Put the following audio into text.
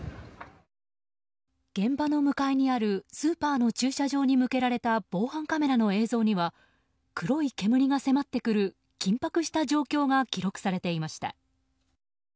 現場の向かいにあるスーパーに設置された防犯カメラの映像には黒い煙が迫ってくる緊迫した状況が記録されていました。